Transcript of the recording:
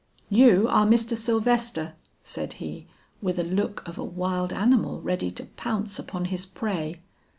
'You are Mr. Sylvester,' said he, with a look of a wild animal ready to pounce upon his prey.